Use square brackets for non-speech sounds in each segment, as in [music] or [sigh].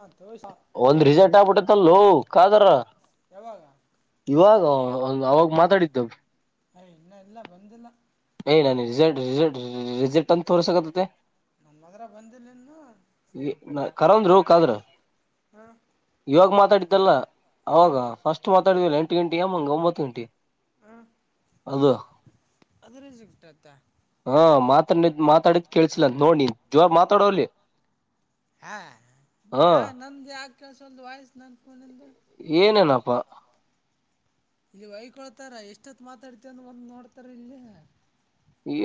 ಹಾಂ ತೋರ್ಸ ಒಂದ್ ರಿಸಲ್ಟ್ ಆಗ್ಬಿಟ್ಟತ್ತಲ್ಲೂ ಕಾದರ ಯಾವಾಗ ಇವಾಗ ಅವಾಗ ಮಾತಾಡಿದ್ದವು ಯ್ ಇಲ್ಲ ಇಲ್ಲ ಬಂದಿಲ್ಲ ನೀ ನಾನ ರಲ್ ರಲ್ ರಿಜೆಕ್ಟ್ ಅಂತ ತೋರಿಸಕತೆತ್ತೇ ನಮ್ಮದ್ರ ಬಂದಿಲ್ಲ ಇನ್ನು ಕರಂದ್ರು ಇವಾಗ ಮಾತಾಡತ್ತಲ್ಲ ಅವಾಗ ಹಾಂ ಫಸ್ಟ್ ಮಾತಾಡಿದವ ಎಂ ಗಂಟೆಯ ಒಂದು ಒಂಬತ್ತು ಗಂಟೆ ಅದು ಅದ್ರೆ ಸಿಗ್ತತ್ತ ಹಾ ಮಾತಾದ್ ಮಾತಾಡಿದ್ ಕೇಳಸಲ ನೋಡ್ ನೀ ಜವಾಬ ಮಾತಾಡವಲಿ ಹಾ ಯಾ ನಂದು ಯಾ ಕೆಲಸಲ್ ವಾಯ್ಸ್ ನನ್ ಫೋನಂದು ಏನನಪ್ಪ ಇಲ್ಲಿ ವೈಕೊಳ್ತಾರ ಎಷ್ಟೊತ್ ಮಾತಾಡ್ತವಂದ ಒಂದು ನೋಡ್ತಾರ ಇಲ್ಲಿ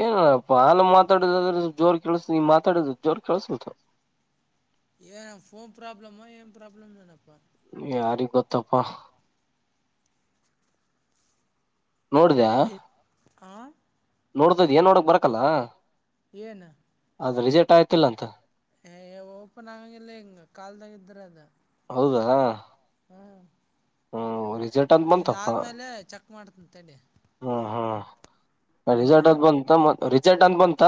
ಏನಪ್ಪ ಹಾಲ ಮಾತಾಡುದಾದ್ರ ಜೋರ್ ಕೆೇಳಸ ನೀ ಮಾತಾಡುದು ಜೋರ್ ಕೆೇಳಸಲ್ತ್ [unintelligible] ಏ ನ ಫೋನ್ ಪ್ರಾಬ್ಲಮ ಏ ಪ್ರಾಬ್ಲಮ ನನಪ್ಪ ಇತ್ತಪ್ಪ [inaudible] ನೋಡ್ದದ್ ಏನ್ ನೋಡಕ್ ಬರಕಲ್ಲ ಏನು ಅದ ರಿಜೆಕ್ಟ್ ಆಯ್ತಿಲ್ಲ ಅಂತ ಓಪನ್ ಆಗಂಗಿಲ್ಲ ಹಿಂಗ್ ಕಾಲ್ದಾಗ ಇದ್ರ ಅದ ಹೌದಾ ಹಾ ಇದಾದ್ಮೇಲೆ ಚೆಕ್ ಮಾಡ್ತನ್ಂತಡಿ ರಿಜರ್ಟ್ ಅಂತ್ ಬಂತ ಮ ರಿಜರ್ಟ್ ಅಂತ ಬಂತ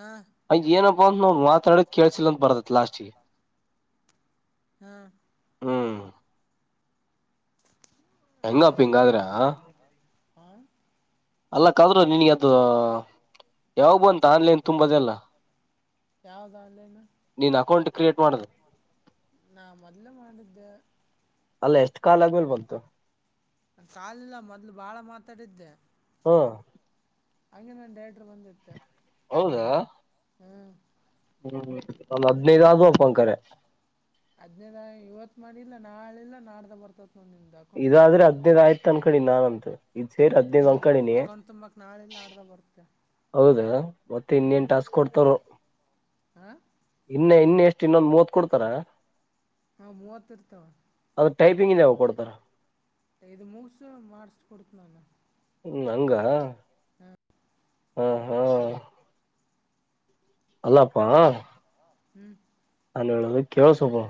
ಹಾಂ ಅಯ ಏನಪ್ಪಾ ಅಂತ ನಾವು ಮಾತಾಡಿದ ಕೇಳ್ಸಿಲ್ಲಂತ ಬರ್ತತ್ ಲಾಸ್ಟ್ಗೆ ಹ್ಮ ಹೆಂಗ ಅಪ್ಪಿ ಹೆಂಗಾದ್ರೆ ಹ ಅಲ್ಲ ಕಾದ್ರರು ನಿನ್ಗೆ ಅದು ಯಾವಾಗಂತ ಆನ್ಲೈನ್ ತುಂಬದೆಲ್ಲ ಯಾವುದು ಆನ್ಲೈನ್ ನೀನ್ ಅಕೌಂಟ್ ಕ್ರಿಯೇಟ್ ಮಾಡುದು ನಾ ಮೊದ್ಲೇ ಮಾಡಿದ್ದೆ ಅಲ್ಲ ಎಷ್ಟ ಕಾಲ್ ಆದ್ಮೇಲೆ ಬಂತು ಕಾಲಿಲ್ಲ ಮೊದ್ಲು ಬಾಳ ಮಾತಾಡಿದ್ದೆ ಹ್ಮ ಹಂಗೇನ ಒಂದು ಡಯಾಟರ ಬಂದ ಇತ್ತ ಹೌದಾ ಹ್ಮ್ ಹ್ಮ್ ಒಂದ್ ಹದನೈದು ಆಗ ಒಪ್ಪಂಕರ ನಾಳೆಲ್ಲಾ ನಾಡ್ದ ಬರ್ತ ಇದಾದ್ರೆ ಹದನೈದ್ ಆಯ್ತ ಅನಕೊಳಿ ನಾನಂತ ಇದ್ ಸೇರಿ ಹದನೈದ್ ಅನ್ಕಳಿನಿ ಡ ವರ್ತ ಹೌದಾ ಮತ್ತೆ ಇನ್ನೇನ್ ಟಾಸ್ಕ್ ಕೊಡ್ತವರು ಹಾಂ ಇ ಇನ್ನ ಎಷ್ಟು ಇನ್ನೊಂದು ಮೂವತ್ ಕೊಡ್ತಾರ ಹಾ ಮೂವತ್ತುರ್ತಾವ ಅದ್ರ ಟೈಪಿಂಗ್ ಇದೆ ಅವಕರದ್ ಇದು ಮುಗಸು ಮಾಡಸ ಕೊಡತನಾನ ಹ್ಮ್ ನಂಗ ಹ್ಮ್ ಹ್ಮ್ ಅಲ್ಲಪ್ಪಾ ಹ್ಮ್ ನಾನ ಹೇಳದು ಕೇಳಸೊದು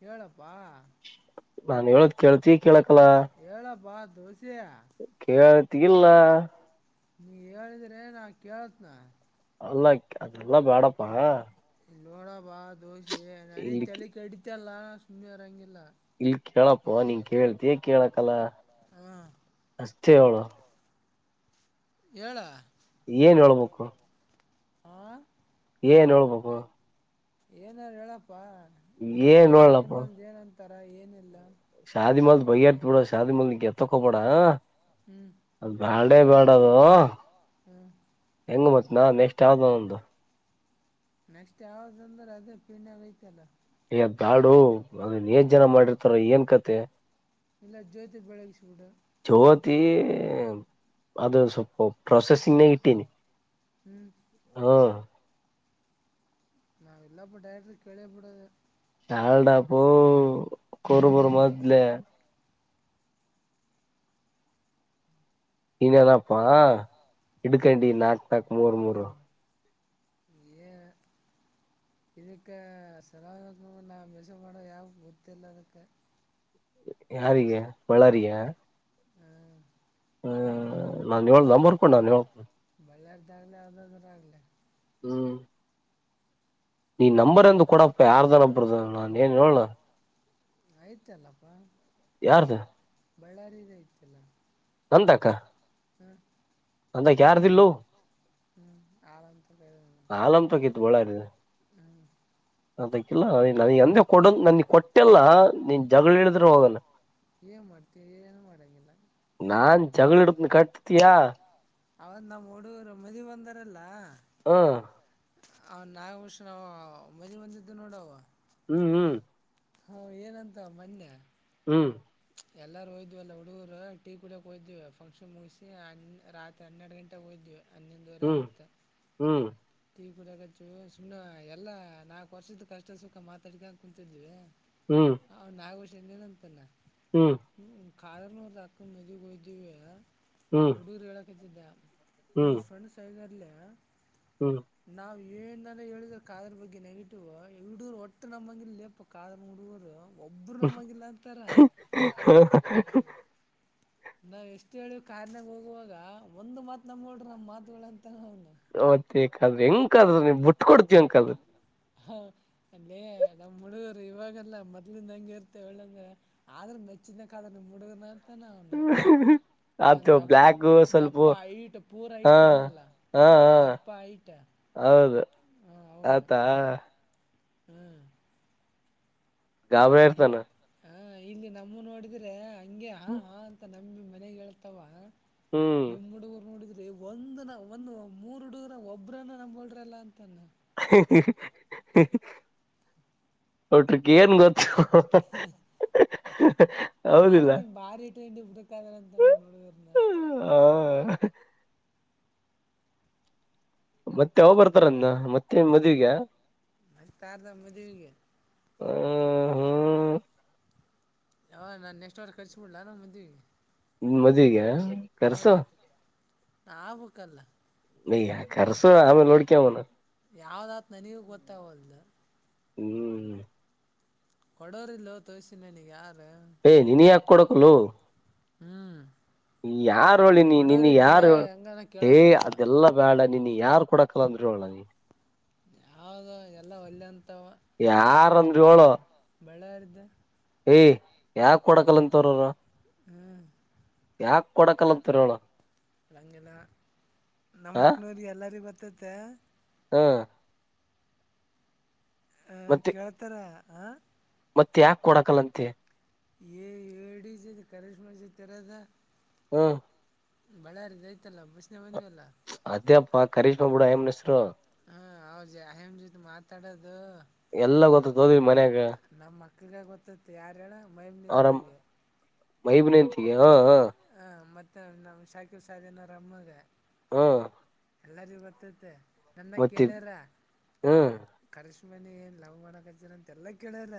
ಹೇಳಪ್ಪಾ ನಾನ್ ಹೇಳದ ಕೇಳ್ತಿ ಕೇಳಕಲ್ಲ ದೋಸೆಯಾ ಕೇಳತಿಲ್ಲ ನೀ ಹೇಳಿದ್ರೆ ನಾ ಕೇೇಳತ್ನ ಅಲ್ಲ ಅದೆಲ್ಲಾ ಬೇಡಪ್ಪಾ ನೋಡ ಬಾ ದೋಸೆ ನನಗೆ ಇಲ್ಲಿ ತಲಿ ಕಡಿತಲ್ ಸುಮನ್ ಇರಂಗಿಲ ಇಲ್ ಕೇಳಪ್ಪ ನೀನ್ ಕೇಳ್ತೀ ಕೇಳಕ್ಲ್ಲ ಹಾ ಅಷ್ಟೇ ಹೇಳು ಏಳ ಏನ್ ಹೇಳಬೇಕು ಹಾ ಏನ್ ಹೇಳಬೇಕು ಏನಾರ ಹೇಳಪ್ಪಾ ಮತ್ತೆ ಏನ್ ಹೇಳಪ್ಪ ಶಾದಿಮನ್ ಏನ ಅಂತಾರ ಏನಿಲ್ಲ ಶಾದಿ ಮಾಲ್ ಬೈ ಇರ್ತ ಬಿಡ ಶಾದಿ ಮಾಲ್ ನಿ ಎತ್ತಕೋಬೇಡ ಹ್ಮ್ ಅದ್ ಬಾಳ ಲೇ ಬೇಡದು ಹ್ಮ್ ಹೆಂಗ ಮತ್ ನಾ ನೆಕ್ಸ್ಟ್ ಯಾವ್ದ್ ಒಂದು ನೆಕ್ಸ್ಟ್ ಯಾವ್ದ ಅಂದ್ರೆ ಅದೇ ಪಿಣಾಗಐತಲ್ಲ ಹೇ ಆದಬೇಡೋ ಅ ನೇಜ್ ಜನ ಮಾಡಿರ್ತಾರ ಏನ್ ಕತೆ ಇಲ್ಲ ಜ್ಯೋತಿ ಬೆಳಗಿಸ್ಬಿಡು ಚವತ್ ಅದು ಸ್ವಲ್ಪ ಪ್ರೊಸೆಸಿಂಗ್ನಾಗ ಇಟ್ಟೀನಿ ಹ್ಞೂ ಹಾ ನಾವೆಲ್ಲಾಪ್ಪ ಡೈರೆಕ್ಟಿ ರಿ ಕೇಳೆ ಬಿಡದ. ಹಾಳಟಾಪ್ಪ ಹ್ಞೂ ಕುರಬರು ಮೊದಲೇ ನೀನಪ್ಪಾ ಇಡುಕಂಡಿ ನಾಕು ನಕು ಮೂರು ಏ [inaudible] ಇದಕ್ಕೆ ಸಲ ನಾ ಮಸ ಮಾಡೋ ಯಾವ ಗೊತ್ತಿಲ್ಲ ಅದಕ್ಕೆ ಯಾರಿಗೆ ಬಳ್ಳಾರಿಗೆ ಹ್ಞೂ ಹ ನಾನ್ ಹೇಳ ನಂಬರ ಕೊಡು ನಾನು ಹೇಳ್ಕ ಒಳ್ಳೆಯ್ದಾಗ ಅರ ಆಗಲ್ಲ ಹ್ಮ್ ನೀ ನಂಬರ್ ಎಂದು ಕೊೂಡಪ್ಪ ಯಾರ್ದ ಒಬ್ಬರದ ನಾ ಏನ್ ಹೇಳೋಣ. ಆಯ್ತ ಅಲ್ಲಪ್ಪಾ. ಯಾರನ ಬಳ್ಳಾರೀಲಿ ಐತಲ್ಲ. ನನ್ ತಕ. ಹ್ಮ್. ನಂತೈಕ ಯಾರದ ಇಲ್ಲೊ. ಹ್ಮ್ ಆಳಂತ ಹೇಳಿ ಆಲಮ್ ತಗಿತ್ ಹ್ಮ್. ನಂತ್ಯಕ ಇಲ್ಲ ನನಗೆ ಎಂದೇ ಕೊಡುನ ನನ್ಗ ಕೊಟ್ಟ. ಇಟ್ಟಲ್ಲ ನೀನ್ ಜಗಳ ಕೇಳಿದ್ರು ಹೋಗಲ. ಏನು ಮಾಡ್ತೀವಿ ಏನು ಮಾಡೋಂಗಿಲ್ಲ ನನ್ ಜಗಳ ಹಿಡದಿನಿ ಕಟ್ಟತಿಯಾ. ಅವತ ನಮ್ಮ್ ಹುಡುಗುರು ಮದವಿ ಅಂದಾರಲ್ಲ. ಹ. ಹ ನಾಗ ವರ್ಷ ನ ಮದವಿಗೆ ಬಂದಿದ್ದು ನೋಡ ಅವ. ಹ್ಮ್ ಹ್ಮ್. ಅವ ಏನಂತ ಮೊನ್ನೆ. ಹ್ಮ್ ಎಲ್ಲಾರೂ ಹೋಗಿದ್ದೀವಿ ಅಲ್ಲ ಹುಡುಗರು ಟೀ ಕುಡಿಯಕ್ ಹೋಗಿದ್ವಿ ಫಂಕ್ಷನ್ ಮುಗಿಸಿ ರಾತ್ರಿ ಹನ್ನೆರಡ ಗಂಟೆಗೆ ಹೋಗಿದ್ವಿ. ಹ್ಮ್ ಹ್ಮ್. ಟಿ ಕುಡಿಯಾಕತ್ತೀವಿ ಸುಮ್ಮನೆ ಎಲ್ಲ ನಾಲ್ಕು ವರ್ಷದ ಕಷ್ಟದ ಸುಖ ಮಾತಾಡ್ಕೋತ ಕುೂಂತಿದ್ದೀವಿ. ಹ್ಮ್ ಅವ ನಾಗಭಷನ ಏನ ಅಂತಾನ. ಹ್ಮ್. ಕಾಳೆ ನೂರದ ಅಕ್ಕ ನ ಮದಿವಿ ಹೋಗಿದ್ದಿವಿಯ ಹ್ಮ್ ಹುಡುಗರ ಹೇಳಕತ್ತಿದ್ದ. ಹ್ಮ್ ಯುವರ್ ಫ್ರೆಂಡ್ಸಾಗ್ಯಾರ್ಲ್ಯಾ. ಹ್ಮ್ ನವ ಈ ಏನಾನ ಹೇಳಿದ್ರ ಕಾದ್ರ ಬಗ್ಗೆ ನೆಗೆಟಿವ್ ಇವರು ಒಟ್ಟು ನಮ್ಮಂಗಿರ್ಲಿಪ್ಪ ಕಾದ ಹುಡುಗರು. ಒಬ್ರು ನಂಬಂಗಿಲ್ಲ ಅಂತಾರ. ಹ [unintelligible] ನಾವ್ ಎಷ್ಟು ಹೇಳಿವ ಕಾರ್ನ್ಯಾಗ ಹೋಗುವಾಗ ಒಂದ್ ಮಾತ್ ನಂಬೋದರ ನಮ್ ಮಾತುಗಳ ಅಂತ ಅವ. ಓಕೆ ಕದ್ರಾ ಹೆಂಗ ಕಾದ್ರ ನೀ್ ಬಿಟ್ ಕೊಡ್ತಿ ಹಾಂಗ ಕದ್ರಾ. ಹ ಅಲ್ಲೇ ನಮ್ಮ್ ಹುಡುಗುರ ಇವಾಗಲ್ಲ ಮೊದ್ಲಿಂದ ಹಂಗೆ ಇರ್ತೇವ್ ಒಳ್ಳಂದ ಆದ್ರ. ಹೆಚ್ಚಿನ ಕದ್ರಾ ನಮ್ಮ ಹುಡುಗನ ಅಂತಾನ. [unintelligible] ಅಂದ ದಪ್ಪ ಬ್ಲ್ಯಾಕ್ ಸ್ವಲ್ಪ ದಪ್ಪ ಹೈಟ್ ಪೂರಾ ಹಾ ಹೈಟ್ ಇದನಲ. ಹಾ ಹಾ ದಪ್ಪ ಹೈಟ್. ಹೌದು ಆತ. ಹ್ಮ್. ಗಾಬ್ರಿ ಇ ಇರ್ತಾನ. ಹ ಇಲ್ಲಿ ನಮ್ಮ ನೋಡಿದ್ರೆ ಹಂಗೆ ಹ ಹಾ ಅಂತ ನಂಬಿ ಮನೆಗ್ ಹೇಳ್ತಾವ. ಹ್ಮ್ ನಿಮ್ಮ ಹುಡುಗರು ನೋಡಿದರ. ಈ ಒಂದ ನ ಒಂದು ಮೂರು ಹಡುಗನ ಒಬ್ಬ್ರನ್ನ ನಂಬೋರ ಅಲ್ಲ. ಒಟ್ರಕ್ಕೆ ಏನ್ ಗೊತ್ತ. [unintelligible] ಆದ್ರ ನಿಮ್ ಬಾರಿ ಟ್ರಂಡ ಹುಡಕ್ಾದ್ರ ಅಂತ ನಾವ್ ನೋಡ್ದರ್ನ. [unintelligible] ಮತ್ತೆ ಯಾವಾಗ ಬರ್ತಾರಂನ ಮತ್ತ ಏನ್ ಮದುವಿಗ. ಮತ್ತ ಯಾರದ ಮದುವಿಗಿ. ಹ್ಮ ಹ್ಮ. ಯಾವ ನಾನ್ ನೆಕ್ಸ್ಟ್ ವಾರ ಕಳಿಸಿ ಕೊಡ್ಲಾ ಮದುವಿಗಿ. ಹ್ಮ್ಮ್ ಮದುವಿಗ್ಯಾ ಕರ್ಸೋ. ಆಗಬೇಕಲ್ಲ ನ ಕರ್ಸ ಆಮೇಲ್ ನೋಡ್ಕೋ ಅವನ್ನ ಯಾವ್ದತ್ ಆತ್ತ ನನಿಗ ಗೊತ್ತಾಗವಲ್ತು ಹ್ಮ್ ಕೊಡೋರಿಲ್ಲ ತೋಸಿನ ನೀಗ್ ಯಾರು ಏ್ ನೀನ್ ಯಾಕ ಕೊಡಕಲ್ಲು ಹ್ಮ್ ಯಾರ ಹೇಳಳಿನ ನಿನ್ ಯಾರು ಹೆಂಗನ ಹೇ ಕೇಳಕಪ್ಪ ಅದೆಲ್ಲಾ ಬ್ಯಾಡ ನೀನ್ ಯಾರ್ ಕೊಡಕಲ್ಲ ಅಂದ್ರರು ಹೇಳಳ್ಳ ನೀ ಯಾವ್ದ ಎಲ್ಲ ಒಲ್ಲೆ ಅಂತ ಯಾರಂದ್ರಿ ಏಳು ಮಳರ್ದ ಏ ಯಾಕ ಕೊಡಕಲ್ಲಂತವರ್ರ ಹ್ಞೂ ಯಾಕ ಕೊಡಕಲ್ಲಂತ ರೋಳ ಅಂಗೆಲ್ಲ ಹ ನಮ್ಮ ಅಕ್ಸೊರಿಗೆ ಎಲ್ಲರಿಗ ಗೊತ್ತಾಯ್ತಿ ಹಾ ಹಹ ಕೇಳ್ತಾರ ಹಾಂ ಮತ್ತ ಯಾಕ ಕೊಡಕಲ್ಲಂತೆ ಡಿ ಕಶ್ಮಾತಿರದ ಹ್ಮ ಬಳ್ಳಾರಿ ಐತಲ್ಲಾ ಬಷನೆ ಬಂದ್ಲ್ಲ ಅದೇಪ್ಪ ಕರಿಷ್ಮಾ ಬಿಡು, ಆಯಮ್ಮನ ಹೆಸರು ಹಾ ಹೌ ಜಹೇಮ ಜೊತೆ ಮಾತಾಡದು ಎಲ್ಲಾ ಗೊತ್ತದ ಹೋದ್ವಿ ಮನ್ಯಾಗ ನಮ್ ಮಕ್ಳಿಗೆ ಗೊತ್ತೈತ್ತ ಯಾರಣ ಮೈಮ ಹೆಂಡತಿಗೆ ಮೈಮ ಹೆಂಡತಿ ಹಾ ಹ ಹ ಮತ್ತೆ ನಮ್ ಶಾಕಿ ಸಧನ ರಮ್ಮಾಗ ಹಾ ಎಲ್ಲಾರಿ ಗೊತ್ತೈತಿ ನನ್ನ ಕೇಳ್ಯಾರ ಹ್ಮ್ ಕರ ಮನೆ ಏನ್ ಲವ್ ಮಾಡಣಕ್ಚ್ಚರ ಅಂತೆ ಎಲ್ಲ ಕೇಳಾರ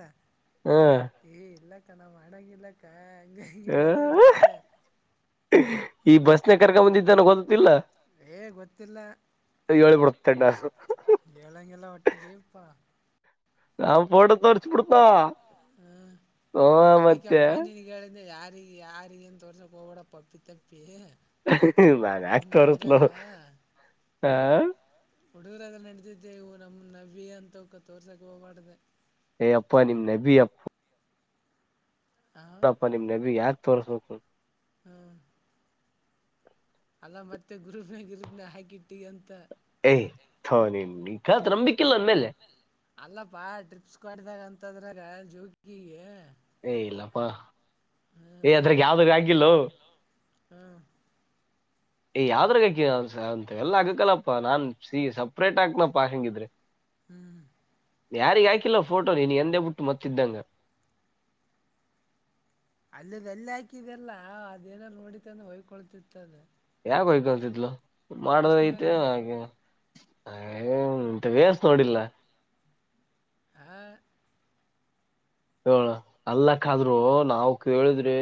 ಹ್ಮ್ ಏ ಇಲ್ಲ ನಾವ್ ಮಾಡಂಗಿಲ್ಲಕ್ಕ ಹಂಗ ಹಿಂಗಗೆ ಹೇಳಿದ್ ಮತ್ತೆ ಈ ಬಸ್ನೆ ಕರ್ಕ ಬಂದಿದ್ದೆ ವಲ್ಲ ಗೊತ್ತೈತಿಲ್ಲ ಹೇ ಗೊತ್ತಿಲ್ಲ [unintelligible] ಹೇಳಂಗಿಲ್ಲ ಒಟ್ಟಲಪ್ಪಾ ನಾವು ಪಡ ತೊರಿಚು ಕುತಾ ಹ್ಮ ಅದಕ್ಕೆಪ್ಪಾ ನೀಗೆ ಯಾರ ಯಾರಿಗೆಏ ತೋರಿಸ ಕೋಡ ಪಪ್ಪಿತ ನಾನ್ ಯಾಕ್ ತೋರಿಸ್ಲೋ ಅದ್ರಾಗ ಹುಡುಗರಾಗ ನಡೆದಿದ್ದೆ ಇವು ನಮ್ ನವಿ ಅಂತಕ ತೋರ್ಸಕ್ ಹೋಗ್ಬಡ್ದ ಏ ಅಪ್ಪಾ ನಿಮ್ ನಬಿ ಅಪ್ಪ ಹ ಹಪ್ಪಾ ನಿಮ್ ನವಿ ಯಾಕೆ ತೋರ್ಸ್ಬೇಕು ಹ್ಮ ಅಲ್ಲ ಮತ್ತೆ ಗ್ರೂಪ್ನ ಗ್ರೂಪ್ನ ಹಾಕಿಟ್ಟಿ ಅಂತ ಏ ತು ನಂಬಿಕೆ ಇಲ್ಲ ನನ್ನ ಮೇಲೆ ಮಾಡಿದಾಗ ಅಂತದ್ರಾಗ ಜೋಕಿಗೆ ಏ ಇಲ್ಲಪ್ಪಾ ಏ ಹ್ಮ್ ಅದ್ರಕ್ಕೆ ಯಾವ್ದ ಆಗಿಲ್ಲು ಹ್ಮ್ ಯಾವ್ರಾಗಾಕ ಅಂತ ಎಲ್ಲ ಆಗಕಲ್ಲಪ್ಪಾ ನಾನ್ ಸಿ ಸಪ್ರೇಟ್ ಆಾಕ್ನಪ್ಪಾ ಹೆಂಗಿದ್ರೆ ಹ್ಮ್ ಯಾರಿಗೆ ಹಾಕಿಲ್ಲ ಫೋಟೋ ನೀನ್ ಎಂದೇ ಬಿಟ್ಟು ಮತ್ತ ಇದಿದ್ದಂಗ ಅಲ್ಲದ ಅಲ್ಲಿ ಹಾಕಿದೆಲ್ಲ ಅದೇನಾರ ನೋಡಿತಾನೆ ಹಯ್ಕೊಳ್ತಿತ್ತಾನೆ ಯಾಕತಿದ್ಲು ಮಾಡದ ಬಸ್ನಾಗ ಐತೆ ಹಾಗೆ [unintelligible] ಏಂತ ವೇಸ್ ನೋಡಿಲ್ಲ [unintelligible] ಹ ಹ ಅಲ್ಲಕ್ಕ ಆದ್ರು ನಾವವು ಕೇಳಿದ್ರಿ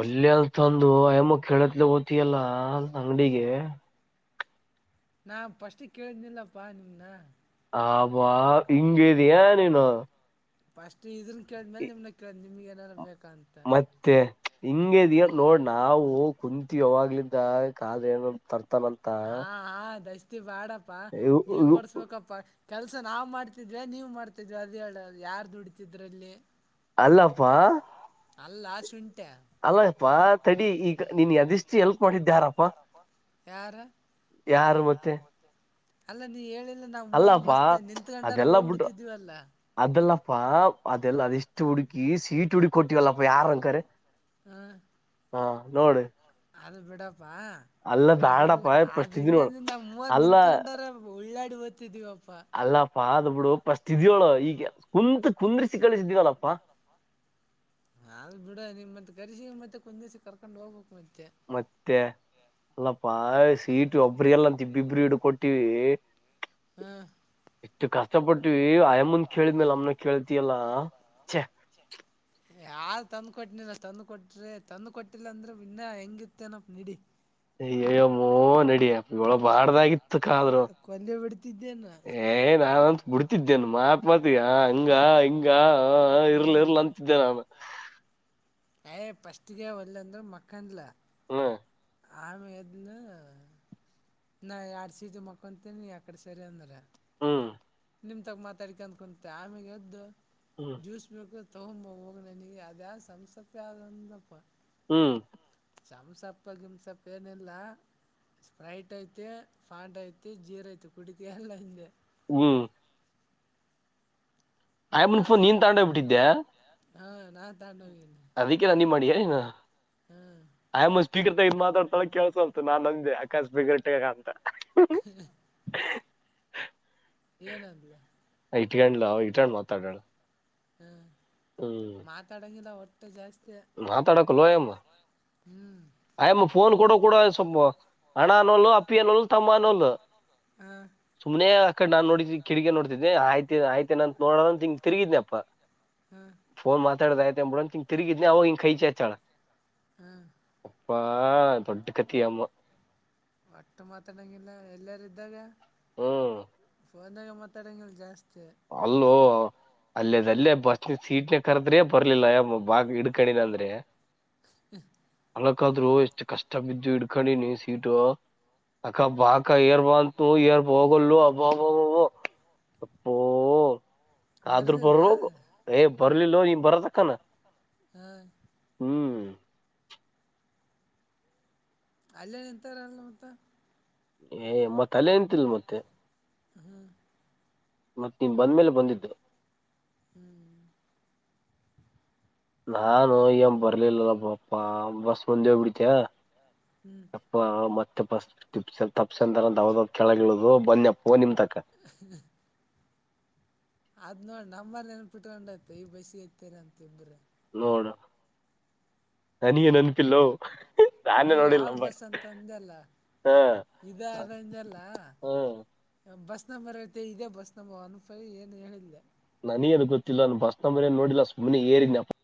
ಒಲ್ಲೆ ಅಂತಂದು ಅಯಮ ಕೇಳತ್ಲಿ ಓತಿಯಲ್ಲ ಅಂಗಡಿಗೆ ನಾ ಫಸ್ಟ್ಗೆ ಕೇಳಿದನಿಲ್ಲಪ್ಪಾ ನಿಮನ್ನ ಆಬಾ ಇಂಗದ ಏ ನೀನು ಫಸ್ಟ್ ಇದನ್ ಕೇಳಿದ್ಮೇಲೆ ನಿಮ್ ಕೇಳ್ದ್ ನಿಮ್ಗೆ ನಾರು ಬೇಕು ಮತ್ತೆ ಹಿಂಗ ಇದ್ಯ ನೋಡ್ ನಾವು ಕುಂತ ಯಾವಾಗ್ಲಿಂದ ಕಾದ ಏನ ತರ್ತವಿ ತ್ತನಂತ ಹಾ ಹಾ ದಸ್ತಿ ಬಾಡಪ್ಪಾ ನೀವ ಕೊಡ್ಸ್ಬೇಕಪ್ಪಾ ಕೆಲ್ಸ ನಾವವು ಮಾಡ್ತಿದ್ವಿ ನೀವು್ ಮಾಡ್ತಿದ್ವಿ ಅದ ಹೇಳದು ಯಾರ್ ದುಡಿತಿದ್ರಲ್ಲಿ ಅಲ್ಲಪ್ಪಾ ಅಲ್ಲ ಶುಂ ಅಲ್ಲಪ್ಪಾ ತಡಿ ಈಗ ನೀನ್ ಅದಿಷ್ಟು ಎಲ್ಪ್ ಮಾಡಿದ್ದ ಯಾರಪ್ಪಾ ಯಾರ ಯಾರ ಮತ್ತೆ ಅಲ್ಲ ನೀ ಹೇಳಿಲ್ಲ ನಾವವು ಮೂವರ್ ಅಲ್ಲಪ್ಪಾ ಮಸ್ತ್ ನಿತ್ಕಂಡಾರ ಹೋಗ್ ಬಿಿಡ್ತಿದೀವ ಅಲ್ಲಾ ಅಪ್ಪಾ ಅದೆಲ್ಲ ಅದೆಷ್ಟು ಹುಡುಕಿ ಸೀಟ ಹುಡುಕಿ ಕೊಟ್ಟಿವಲ್ಲಪ್ಪ ಯಾರ ಅಕಾರೆ ಹ್ಮ ಹಾ ನೋಡಿ ಅದು ಬಿಡಪಾ ಅದಿಲ್ಲ ಬ್ಯಾಡಪ್ಪ ಫಸ್ಟ್ ಇದ ನೋಡು ಅದಿಲ್ಲದಿಂದ ಮೂವರ್ ಅಲ್ಲ ನಿತ್ಕೊಂಡಾರ ಉಳ್ಳಾಡಿ ತಿದೀವಪ್ಪಾ ಪ ಆದ್ ಬಿಡು ಪ ಅಷ್ಟ ಇದ್ಯವಳ ಈಗ ಕುಂತ ಕುಂದ್ರಿಸಿ ಕಳಿಸಿದೀವಲ್ಲಪ್ಪಾ ಅಲ್ ಬಿಡ ನಿಮ್ತ್ ಕರಿಸಸಿ ಮತ್ತೆ ಕುಂದ್ ದಿವಸ ಕರ್ಕೊಂಡ್ ಹೋಗ್ಬೇಕು ಮತ್ ಮತ್ತೆ ಎಲ್ಲ ಪಾಯಸ ಟ ಒಬ್ಬ್ರ ಎಲ್ಲಂತ ಇಬ್ಬಿಬರು ಹಿಡು ಕೊಟ್ಟಿವವಿ ಹ್ಮ್ ಇಷ್ಟು ಕಷ್ಟಪಟ್ಟವಿ ಅಯಮಂದ ಕೇಳಿದ್ಮೇಲ್ ನಮ್ನ ಕೇಳ್ತಿಯಲ್ಲ ಚೆ ಯಾರ ತಂದ ಕೊಟ್ಟನಿಲ್ಲ ತಂದು ಕೊಟ್ರೆ ತಂದು ಕೊಟ್ಟಿಲ್ಲ ಅಂದ್ರೆ ಇನ್ನ ಹೆಂಗಿತ್ತೇನ ನಿಡಿ ಅಯ್ಯಯ್ಯೋ ಮೂೋ ನಡಿಯಳ ಬಾರ್ದಾಗಿತ್ತು ಕ್ಕಾದ್ರು ಕೊಲ್ಲೆ ಬಿಡ್ತಿದ್ದೇನ ಏ ನಾನ ಅಂತ ಬಿಡ್ತಿದ್ದೇನ್ ಮಾ ಮತ ಹಂಗ ಹಿಂಗ ಇರ್ಲ ಹ್ಮ್ ಇರ್ಲ ಅಂತಿದ್ದೆ ನಾನ ಯ್ ಪಫಸ್ಟ್ಗೆ ಒಲ್ಲ ಅಂದ್ರ ಮಕ್ಕಂದ್ಲ ಹ್ಮ್ ಆಮೇ ಎದನು ನಾ ಎಡು ಸೀಟ ಮಕ್ಕಂತೀನಿ ಎಕಡೆ ಸರಿ ಅಂದರ ಹ್ಮ ನಿಮ್ ತಗ ಮಾತಾಡಿಕ ಅಂದ್ಕೊಂತ ಆಮೇಾಗ ಎದ್ದು ಹ್ಮ್ ಜ್ಯೂಸ್ ಬೇಕು ತಗೊಂಬ ಹೋಗ ನನಗೆ ಅದ ಯಾವ ಸಂಸತ್ತ ಆದಂದಪ್ಪ ಹ್ಮ್ ಚಮ್ಸಪ್ಪ ಗಿಮ್ಸಪ್ಪ ಏನಿಲ್ಲ ಸ್ಪ್ರೈಟ್ ಐತಿ ಪಫಾಂಡ್ ಐತಿ ಜೀರ್ ಐತಿ ಕುಡಿತ ಎಲ್ಲ ಹಿಂದೆ ಹ್ಮ್ ಮತ್ತು ಆ ಆಯ್ಮನ್ಫೋನ್ ನೀನ್ ಫಾಂಟ್ ತಗೊಂಡ ಹೋಗ್ಬಿಟ್ಟಿದ್ದೆ ಹಾ ನಾನ್ ತ ಹೋಗಿ ಅದಕ್ಕೆ ನಾನಿ ಮಾಡಿ ಆ ಹಾ ಆಯ ಮ ಶೀಗ್ರತೆ ಇಗ ಮಾತಡ್ತಳ ಕೆಸ ಅಲ್ತ ನನ್ ನಂದಗೆ ಆಕಾಶ ಬಿಗರಟಗ ಅಂತ ಹ ಹ ಏನ ಅಂದ ಇಟ್ ಇಟಂಡ್ ಮಾತಾಡಳ ಹ್ಮ್ ಮಾತಾಡಂಗಿಲ್ಲ ಹೊಟ್ಟೆ ಜಾಸ್ತಿ ನಾ ತಡಕ ಲೋ ಎಮ ಹ್ಮ್ ಆ ಫೋನ್ ಕಡ ಕೂಡ ಅಣ ನೋಲ ಅಪ್ಪಿಯನೋಲ್ ತಮ್ಮ ನೋಲ್ ಹಾ ಸುಮನೆ ಅಕ್ಕಡೆ ನಾ ನೋಡಿದ್ದೀ ಕಿಗ ನೋಡ್ತಿದ್ದೆನೆಯ್ತ ಆಯ್ತನಂತ ನೋಡೋಂತ ಹಿಂಗ ತಿಗಿದ್ನಪ್ಪ ಹಾ ಫೋನ್ ಮಾತಾಡತ ತಿರಿಗತನ ಅವ ಈ ಕೈ ಚೆ ಚಳ ಹ್ಮ ಅಪ್ಪಾ ದೊಡ್ ಕತ್ತಿಯಾಮ ಒಟ್ಟು ಮಾತಾಡಂಗಿಲ್ಲ ಎಲ್ಲಾರ ಇದ್ದಾಗ ಹ್ಮ್ ಒಂದಾಗ ಮಾತಾಡೋಂಗಿಲ್ಲ ಜಾಸ್ತಿ ಅಲ್ಲು ಅಲ್ಲೇದ ಅಲ್ಲೇ ಬಸ್ನ ಸೀಟ್ನ ಕರದ್ರೆ ಬರ್ಲಿಲ್ಲ ಬಾಗ ಹಿಡ್ಕಣಿನ ಅಂದ್ರೆ ಹ್ಮ ಮಳಕಾದ್ರು ಎಷ್ಟು ಕಷ್ಟ ಬಿದ್ದು ಇಡ್ಕೊಂಡಿನಿ ಸೀಟು ಅಕ್ಕ ಬಾಕ ಏರ್ ಬಂತು ಏರ್ ಹೋಗಲ್ಲು ಅಬ್ಬಬ್ಬಬಬ ಆದ್ರೂ ಬರಲಿಲ್ಲ ಬರ ಏ ಬರ್ಲಿಲ್ಲ ನೀನ್ ಬರತಕ್ಕನ ಹ್ಮ ಹ್ಮ್ ಅಲ್ಲೇ ಎಂತಾರಲ್ಲ ಮತ್ತ ಏ ಮತ್ತ ಅಲ್ಲೆ ಎಂತಲ್ ಮತ್ತೆ ಹ್ಮ್ಮ ಮತ್ತತ್ ನೀನ್ ಬಂದ್ಮೇಲೆ ಬಂದಿದ್ದು ಹ್ಮ್ ನಾನು ಈ ಬರ್ಲಿಲ್ಲಲ್ಲ ಬಪಾ ಬಸ್ ಮುಂದೆ ಹೋಗ್ಬಿಡ್ತಯ ಹ್ಞೂ ಅಪ್ಪಾ ಮತ್ತೆಪ್ಪ ತಪ್ಸ ದಾವ ದ ಕೆಳಗಿಳುದು ಬನ್ನಿ ಅಪ್ಪ ನಿಮ್ ತ ್ಮ [inaudible] ಅದ್ ನೋಡ್ ನಮ್ಮರ್ ನೆನ್ಪಿಟ್ಕೊಂಡ್ ಈ ಬಸಿ ತ್ತರ ಅಂತ ತಿಂಬ್ರ ನೋಡ ನನಗೇ ನೆನಪಿಲ್ಲ ನೀ ಯಾರ ಬಸ್ ಅಂತ ಅಂದಲ್ಲ ಹಾ ಇದ ಅದಂದಲ್ಲ ಹಾ ಬಸ್ ನಮ್ಮರತೆ ಇದೆ ಬಸ್ ನಮ್ಮ ಅನ್ಫೈ ಏನು ಹೇಳಿಲ್ಲೆ ನನ ಅದು ಗೊತ್ತಿಲ್ಲ ನಾನು ಬಸ್ನಂಬ ಮನೇನು ನೋಡಿಲ್ಲ ಸುಮ್ಮನೆ ಏರಿನಯಪ್ಪ